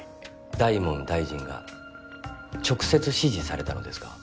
大門大臣が直接指示されたのですか？